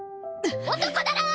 男だろ！